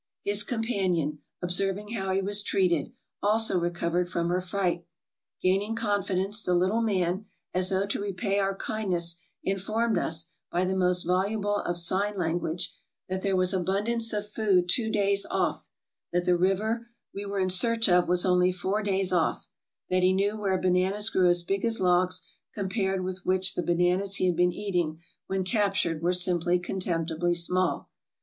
His companion, observing how he was treated, also recovered from her fright. Gaining confi dence, the little man, as though to repay our kindness, informed us, by the most voluble of sign language, that there was abundance of food two days off; that the river we were in search of was only four days off; that he knew where bananas grew as big as logs compared with which the bananas he had been eating when captured were simply contemptibly small.